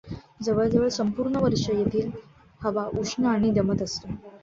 जवळजवळ संपूर्ण वर्ष येथील हवा उष्ण आणि दमट असते.